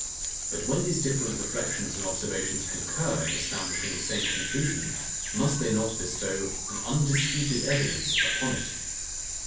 But when these different reflections and observations concur in establishing the same conclusion, must they not bestow an undisputed evidence upon it?